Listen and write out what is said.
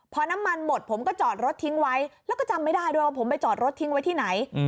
พอน้ำมันหมดผมก็จอดรถทิ้งไว้แล้วก็จำไม่ได้ด้วยว่าผมไปจอดรถทิ้งไว้ที่ไหน